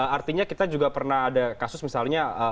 artinya kita juga pernah ada kasus misalnya